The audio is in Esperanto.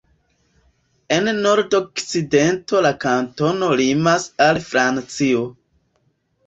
En nordokcidento la kantono limas al Francio.